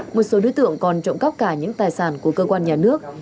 một số đối tượng còn trộm cắp cả những tài sản của cơ quan nhà nước